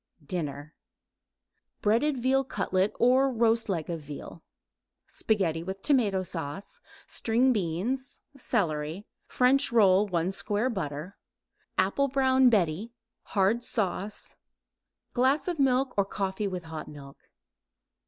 DINNER Breaded veal cutlet or roast leg of veal; spaghetti with tomato sauce; string beans; celery; French roll; 1 square butter; apple brown Betty, hard sauce; glass milk or coffee with hot milk.